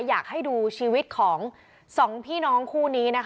อยากให้ดูชีวิตของ๒พี่น้องคู่นี้